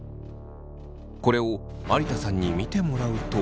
これを有田さんに見てもらうと。